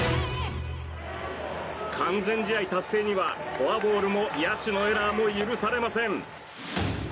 完全試合達成にはフォアボールも野手のエラーも許されません。